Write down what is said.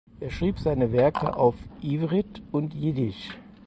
Er schrieb seine Werke auf Ivrit und Jiddisch.